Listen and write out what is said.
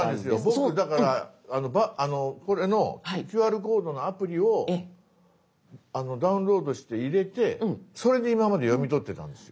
僕だからこれのＱＲコードのアプリをダウンロードして入れてそれで今まで読み取ってたんですよ。